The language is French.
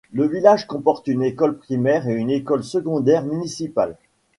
Le village comporte une école primaire et une école secondaire municipales.